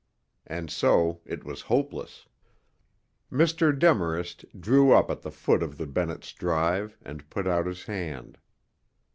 And so it was hopeless. Mr. Demarest drew up at the foot of the Bennetts' drive and put out his hand.